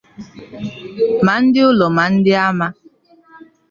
ma ndị ụlọ ma ndị ama.